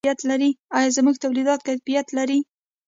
آیا زموږ تولیدات کیفیت لري؟